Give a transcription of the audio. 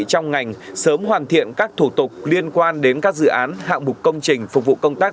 trong ngành sớm hoàn thiện các thủ tục liên quan đến các dự án hạng mục công trình phục vụ công tác